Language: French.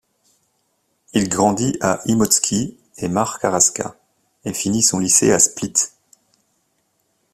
Il grandit à Imotski et Makarska et finit son lycée à Split.